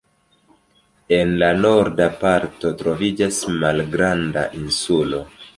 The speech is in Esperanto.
En la norda parto troviĝas malgranda insulo.